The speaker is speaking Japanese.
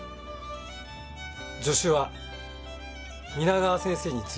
助手は皆川先生について頂きます。